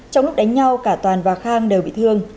trong lúc đánh nhau cả toàn và khang đều bị thương